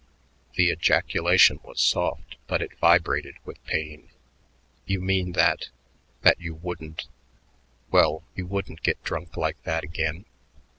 The ejaculation was soft, but it vibrated with pain. "You mean that that you wouldn't well, you wouldn't get drunk like that again?"